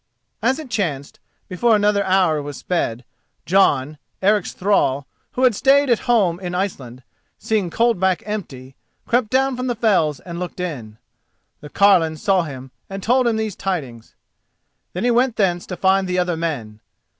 As it chanced, before another hour was sped, Jon, Eric's thrall, who had stayed at home in Iceland, seeing Coldback empty, crept down from the fells and looked in. The carline saw him, and told him these tidings. Then he went thence to find the other men.